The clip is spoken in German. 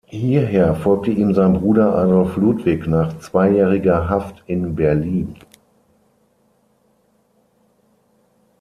Hierher folgte ihm sein Bruder Adolf Ludwig nach zweijähriger Haft in Berlin.